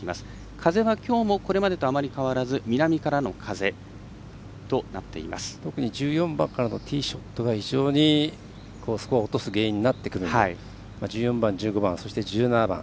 風は、きょうもこれまでとあまり変わらず特に１４番からのティーショットが非常にスコアを落とす原因になってくるので１５番、１４番そして、１７番。